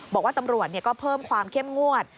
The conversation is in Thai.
บอกว่าตำรวจก็เพิ่มความเข้มงวด